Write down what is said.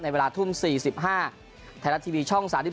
เวลาทุ่ม๔๕ไทยรัฐทีวีช่อง๓๒